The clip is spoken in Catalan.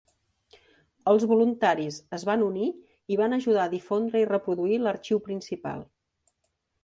Els voluntaris es van unir i van ajudar a difondre i reproduir l'arxiu principal.